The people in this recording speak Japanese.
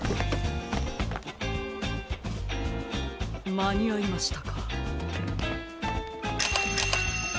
まにあいましたか？